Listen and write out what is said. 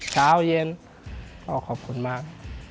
เช้าเย็นก็ขอบคุณมาก